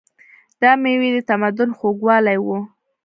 دا مېوې د تمدن خوږوالی و.